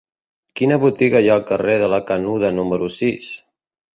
Quina botiga hi ha al carrer de la Canuda número sis?